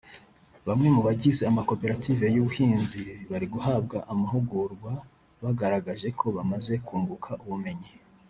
Bamwe mu bagize amakoperative y’ubuhinzi bari guhabwa amahugurwa bagaragaje ko bamaze kunguka ubumenyi